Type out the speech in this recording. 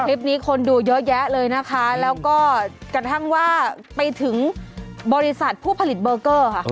คลิปนี้คนดูเยอะแยะเลยนะคะแล้วก็กระทั่งว่าไปถึงบริษัทผู้ผลิตเบอร์เกอร์ค่ะ